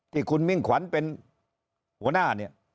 ที่คุณมิ่งขวัญเป็นหัวหน้าเนี่ย